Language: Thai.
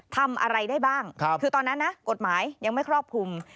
ทำอะไรได้บ้างคือตอนนั้นนะกฎหมายยังไม่ครอบคลุม